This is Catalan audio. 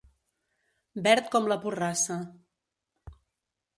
Verd com la porrassa.